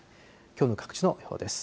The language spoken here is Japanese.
きょうの各地の予報です。